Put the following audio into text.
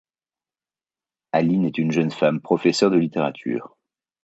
Aline est une jeune femme, professeur de littérature.